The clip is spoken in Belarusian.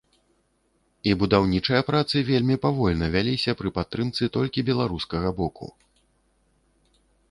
І будаўнічыя працы вельмі павольна вяліся пры падтрымцы толькі беларускага боку.